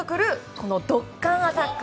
このドッカーンアタック。